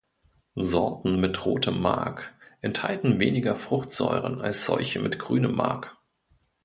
Sorten mit rotem Mark enthalten weniger Fruchtsäuren als solche mit grünem Mark.